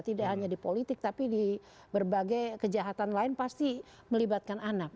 tidak hanya di politik tapi di berbagai kejahatan lain pasti melibatkan anak